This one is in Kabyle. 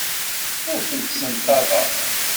Ur tent-ssenṭaḍeɣ.